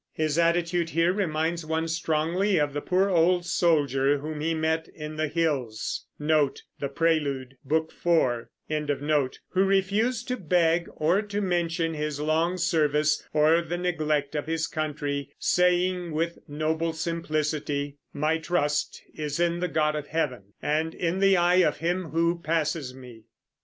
His attitude here reminds one strongly of the poor old soldier whom he met in the hills, who refused to beg or to mention his long service or the neglect of his country, saying with noble simplicity, My trust is in the God of Heaven And in the eye of him who passes me.